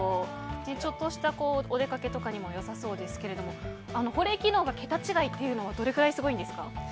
ちょっとしたお出かけとかにもよさそうですけども保冷機能が桁違いというのはどれぐらいすごいんですか？